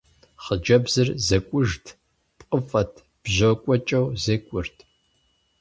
Хъыджэбзыр зэкӀужт, пкъыфӀэт, бжьо кӀуэкӀэу зекӀуэрт.